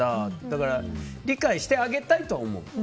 だから理解してあげたいと思う。